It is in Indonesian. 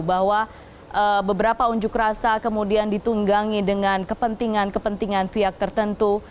bahwa beberapa unjuk rasa kemudian ditunggangi dengan kepentingan kepentingan pihak tertentu